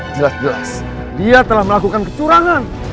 jelas jelas dia telah melakukan kecurangan